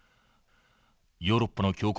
ヨーロッパの強国